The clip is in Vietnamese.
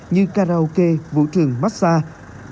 như karaoke vũ trường massage